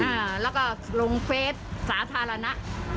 อ่าแล้วก็ลงเฟสสาธารณะ